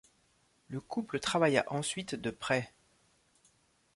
Le couple travailla ensuite de près.